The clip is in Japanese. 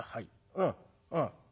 うんうん。